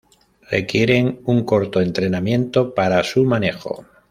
Requieren un corto entrenamiento para su manejo.